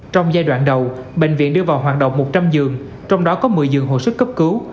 trong giai đoạn đầu bệnh viện đưa vào hoạt động một trăm linh giường trong đó có một mươi giường hồi sức cấp cứu